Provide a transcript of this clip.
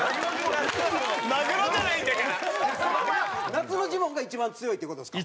夏のジモンが一番強いって事ですか？